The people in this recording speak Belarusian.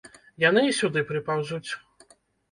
Яны і сюды прыпаўзуць.